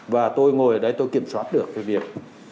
và tôi ngồi ở đấy tôi kiểm soát được cái việc